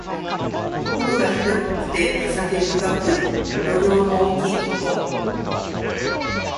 心が広くて情け深く、度量の大きいこと。